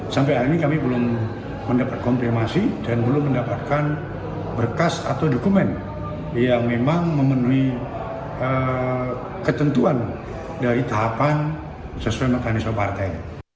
sampai hari ini kami belum mendapat konfirmasi dan belum mendapatkan berkas atau dokumen yang memang memenuhi ketentuan dari tahapan sesuai mekanisme partai